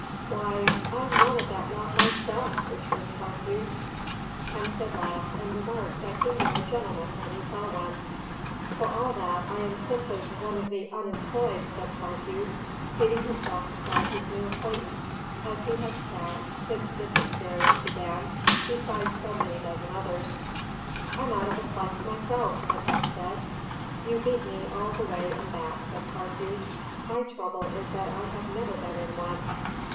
"Why, I'm one of that lot myself," returned Carthew. Hemstead laughed and remarked that he knew a gentleman when he saw one. "For all that, I am simply one of the unemployed," said Carthew, seating himself beside his new acquaintance, as he had sat (since this experience began) beside so many dozen others. "I'm out of a plyce myself," said Hemstead. "You beat me all the way and back," says Carthew. "My trouble is that I have never been in one."